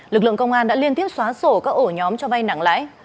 lực lượng công an đã liên tiếp xóa sổ các ổ nhóm cho vay nặng lãi